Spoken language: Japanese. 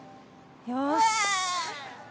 よし。